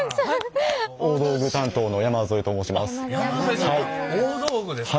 大道具担当の山添と申します。